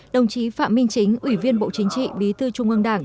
đồng chí phạm minh chính ủy viên bộ chính trị bí thư trung ương đảng